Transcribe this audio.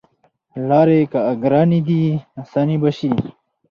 لاری که ګرانې دي اسانې به شي